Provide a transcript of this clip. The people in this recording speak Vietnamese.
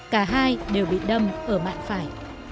cả hai đều bị đâm ở mạng phải